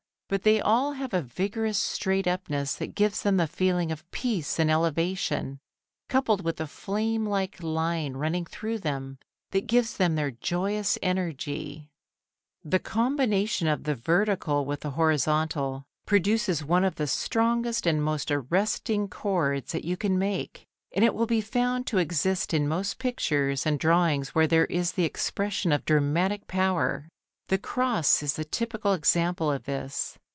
But they all have a vigorous straight up ness that gives them the feeling of peace and elevation coupled with a flame like line running through them that gives them their joyous energy. [Illustration: Diagram XII. A, B, C] [Sidenote: The Right Angle] The combination of the vertical with the horizontal produces one of the strongest and most arresting chords that you can make, and it will be found to exist in most pictures and drawings where there is the expression of dramatic power. The cross is the typical example of this.